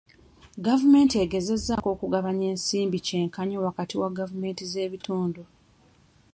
Gavumenti egezezzaako okugabanya ensimbi kyenkanyi wakati wa gavumenti z'ebitundu.